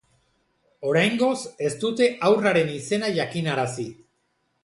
Oraingoz, ez dute haurraren izena jakinarazi.